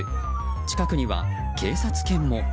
近くには警察犬も。